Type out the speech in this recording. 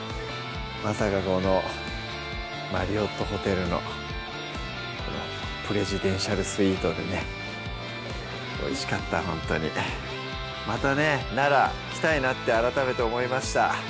まさかこのマリオットホテルのプレジデンシャルスイートでねおいしかったほんとにまたね奈良来たいなって改めて思いました